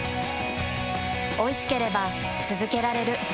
おいしければつづけられる。